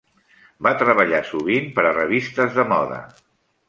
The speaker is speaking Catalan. Va treballar sovint per a revistes de moda.